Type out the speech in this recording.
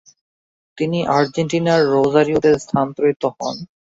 তিনি আর্জেন্টিনার রোজারিওতে স্থানান্তরিত হন।